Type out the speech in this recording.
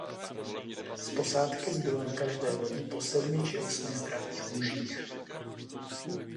Z posádky zbylo na každé lodi po sedmi či osmi zdravých mužích.